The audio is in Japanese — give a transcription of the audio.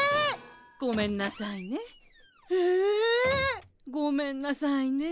えっ！ごめんなさいね。